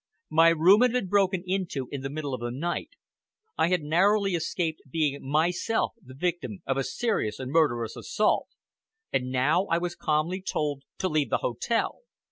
My room had been broken into in the middle of the night; I had narrowly escaped being myself the victim of a serious and murderous assault; and now I was calmly told to leave the hotel!